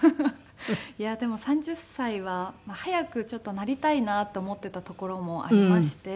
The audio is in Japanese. いやでも３０歳は早くちょっとなりたいなと思っていたところもありまして。